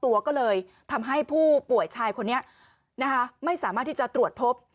ตัวก็เลยทำให้ผู้ป่วยชายคนนี้ไม่สามารถที่จะตรวจพบ